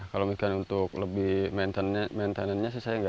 kalau misalnya untuk lebih maintenance nya sih saya enggak